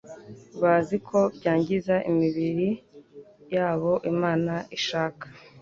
bazi ko byangiza imibiri yabo. Imana ishaka